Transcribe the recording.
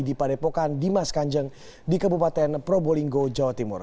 di padepokan dimas kanjeng di kabupaten probolinggo jawa timur